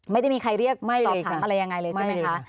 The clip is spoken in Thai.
ไม่ได้มีใครเรียกไม่สอบถามอะไรยังไงเลยใช่ไหมคะ